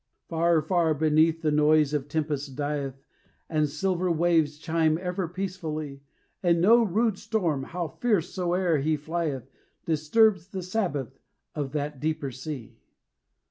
Far, far beneath, the noise of tempest dieth, And silver waves chime ever peacefully, And no rude storm, how fierce soe'er he flieth, Disturbs the Sabbath of that deeper sea.